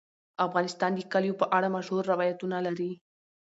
افغانستان د کلیو په اړه مشهور روایتونه لري.